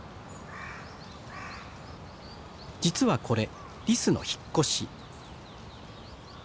実はこれリスの引っ越し。